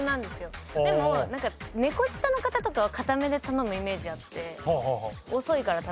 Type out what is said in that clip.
でも猫舌の方とかは硬めで頼むイメージあって。